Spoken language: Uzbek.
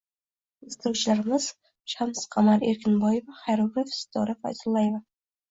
Birinchi ishtirokchilarimiz Shamsiqamar Erkinboyeva – xoreograf - Sitora Fayzullayeva